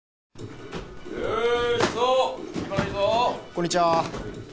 こんにちは。